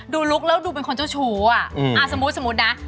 ลุคแล้วดูเป็นคนเจ้าชู้อ่ะสมมุตินะ